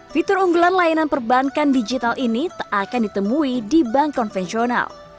fitur unggulan layanan perbankan digital ini tak akan ditemui di bank konvensional